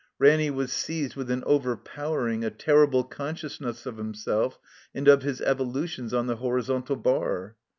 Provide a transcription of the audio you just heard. Ranny was seized with an overpowering, a terrible consciousness of himself and of his evolutions on the horizontal bar.